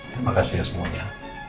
terima kasih ya semuanya